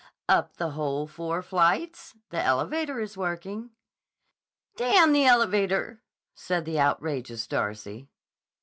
"Up the whole four flights? The elevator is working." "D——n the elevator!" said the outrageous Darcy.